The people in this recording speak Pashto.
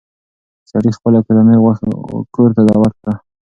سړي خپله کورنۍ کور ته دعوت کړه.